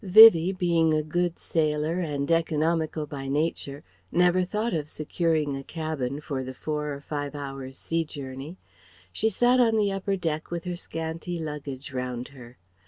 Vivie being a good sailor and economical by nature, never thought of securing a cabin for the four or five hours' sea journey. She sat on the upper deck with her scanty luggage round her.